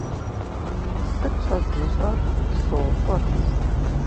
Сыт щӏэзмыщӏэр, сощӀэ!